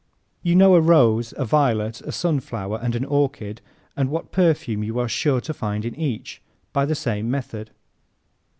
¶ You know a rose, a violet, a sunflower and an orchid and what perfume you are sure to find in each, by the same method.